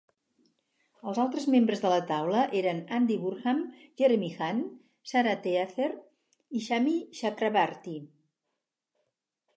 Els altres membres de la taula eren Andy Burnham, Jeremy Hunt, Sarah Teather i Shami Chakrabarti.